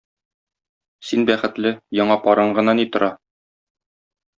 Син бәхетле, яңа парың гына ни тора